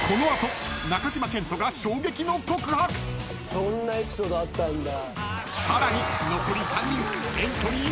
そんなエピソードあったんだ。